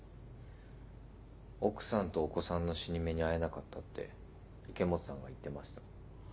奥さんとお子さんの死に目に会えなかったって池本さんが言ってました。